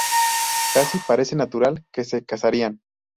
Casi parece natural que se casarían.